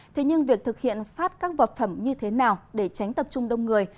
thế nhưng việc thực hiện phát các vật phẩm như thế nào để tránh tập trung đông người